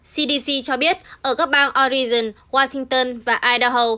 cdc cho biết ở các bang oregon washington và idaho